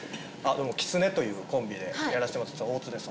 どうも「きつね」というコンビでやらしてもらってます大津です